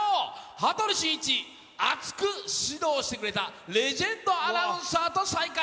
羽鳥慎一、熱く指導してくれたレジェンドアナウンサーと再会。